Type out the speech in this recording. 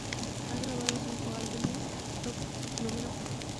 Ha grabado cinco álbumes Top No.